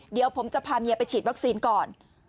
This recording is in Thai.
เดี๋ยวผมจะพาเมียไปฉีดวัคซีนก่อน